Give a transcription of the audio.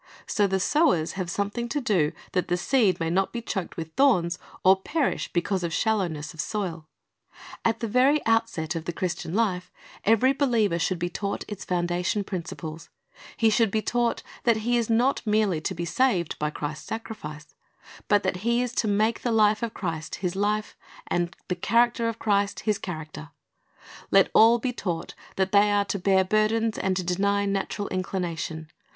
So the sowers have something to do that the seed may not be choked with thorns or perish because of shallowness of soil. At the very outset of "B>i/ other felt into good ground." 58 C lir i s t' s Object Lessons the Christian hfe every believer should be taught its foundation principles. He should be taught that he is not merely to be saved by Christ's sacrifice, but that he is to make the life of Christ his life and the character of Christ his character. Let all be taught that they are to bear burdens and to deny natural inclination.